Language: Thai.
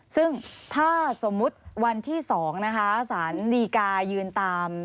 ซึ่งถ้าสมมุติวันที่๒นะคะ